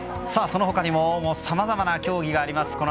その他にもさまざまな競技があります。